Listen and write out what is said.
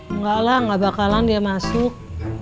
enggak lah nggak bakalan dia masuk